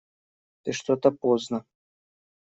Ты что-то поздно.